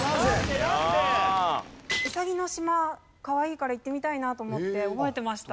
ウサギの島かわいいから行ってみたいなと思って覚えてました。